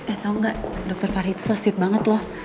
eh tau nggak dr fahri itu so sweet banget loh